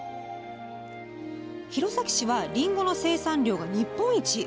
弘前市は、りんごの生産量日本一。